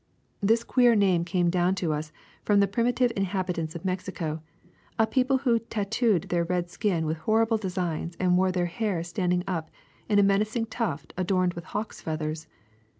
'' ^^This queer name has come do^vn to us from the primitive inhabitants of Mexico, a people who tat tooed their red skin with horrible designs and wore their hair standing up in a menacing tuft adorned with hawks' feathers.